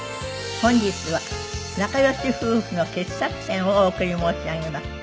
本日は仲良し夫婦の傑作選をお送り申し上げます。